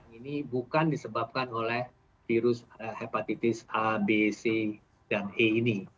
ini bukan disebabkan oleh virus hepatitis a b c dan e ini